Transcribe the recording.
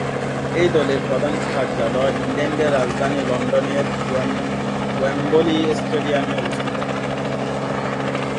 এই দলের প্রধান কার্যালয় ইংল্যান্ডের রাজধানী লন্ডনের ওয়েম্বলি স্টেডিয়ামে অবস্থিত।